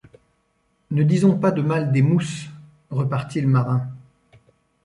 Ne disons pas de mal des mousses, repartit le marin.